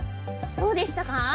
どうでしたか？